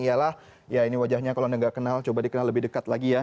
ialah ya ini wajahnya kalau anda nggak kenal coba dikenal lebih dekat lagi ya